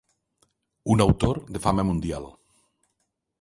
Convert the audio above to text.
Un autor de fama mundial.